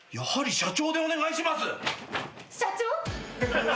社長！